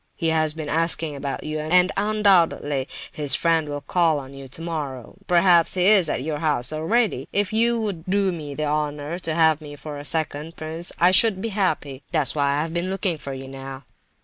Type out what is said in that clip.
He has been asking about you, and undoubtedly his friend will call on you tomorrow—perhaps he is at your house already. If you would do me the honour to have me for a second, prince, I should be happy. That's why I have been looking for you now."